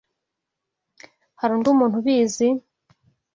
Hari undi muntu ubizi?